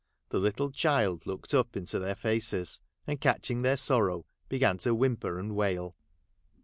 The little child looked up into their faces, and, catching their sorrow, began to whimper and wail.